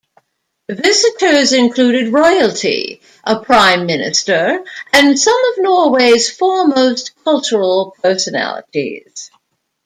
Visitors included royalty, a prime minister, and some of Norway's foremost cultural personalities.